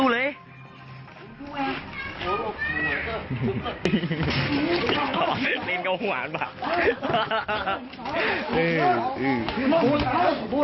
อ๋อลีนเขาหวานป่ะ